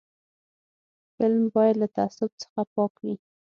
فلم باید له تعصب څخه پاک وي